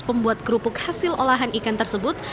pembuat kerupuk hasil olahan ikan tersebut